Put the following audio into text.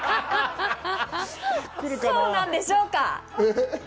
そうなんでしょうか？